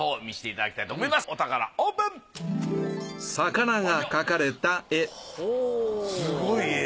すごい絵。